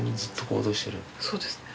そうですね。